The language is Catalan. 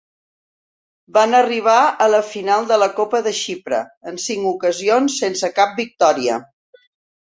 Van arribar a la final de la Copa de Xipre en cinc ocasions sense cap victòria.